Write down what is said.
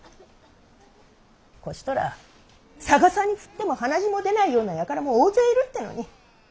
こちとら逆さに振っても鼻血も出ないような輩も大勢いるってのに。